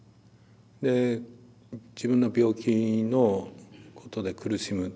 で自分の病気のことで苦しむ。